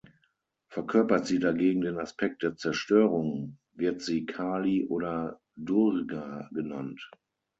Verkörpert sie dagegen den Aspekt der Zerstörung, wird sie Kali oder Durga genannt.